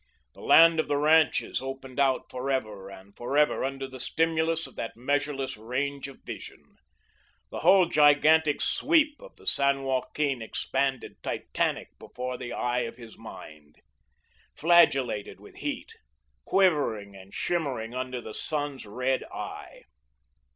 The land of the ranches opened out forever and forever under the stimulus of that measureless range of vision. The whole gigantic sweep of the San Joaquin expanded Titanic before the eye of the mind, flagellated with heat, quivering and shimmering under the sun's red eye.